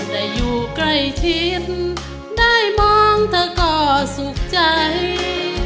แต่อยู่ใกล้ชิดได้มองเธอก็สุขใจ